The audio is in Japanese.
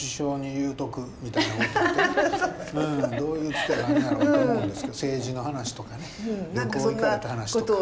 どういうツテがあんのやろ？と思うんですけど政治の話とかね旅行行かれた話とか。